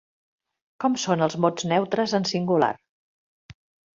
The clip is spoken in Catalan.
Com són els mots neutres en singular?